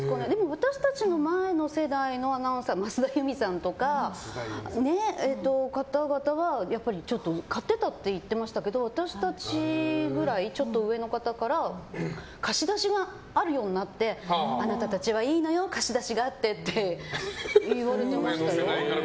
私たちの前の世代のアナウンサーさんとかは買ってたって言ってましたけど私たちくらいちょっと上の方から貸し出しがあるようになってあなたたちはいいのよ貸し出しがあってって言われてましたよ。